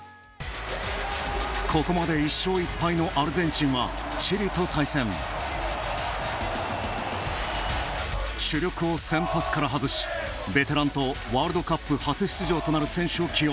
ここまで１勝１敗のアルゼンチンは、チリと対戦。主力を先発から外し、ベテランとワールドカップ初出場となる選手を起用。